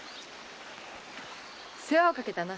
世話をかけたな。